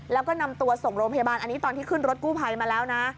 แล้วก็นำตัวส่งโรงพยาบาลอันนี้ตอนที่ขึ้นรถกู้ภัยมาแล้วนะ